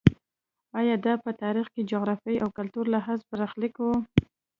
ایا دا په تاریخي، جغرافیایي او کلتوري لحاظ برخلیک و.